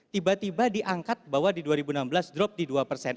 tiba tiba diangkat bahwa di dua ribu enam belas drop di dua persen